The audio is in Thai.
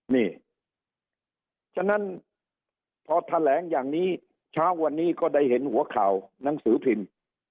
นี่ฉะนั้นพอแถลงอย่างนี้เช้าวันนี้ก็ได้เห็นหัวข่าวหนังสือพิมพ์